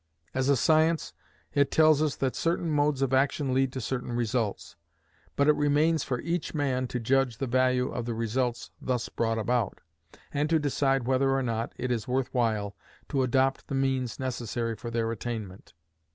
As a science, it tells us that certain modes of action lead to certain results; but it remains for each man to judge of the value of the results thus brought about, and to decide whether or not it is worth while to adopt the means necessary for their attainment.